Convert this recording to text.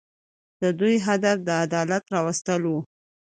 د دوی هدف د عدالت راوستل وو.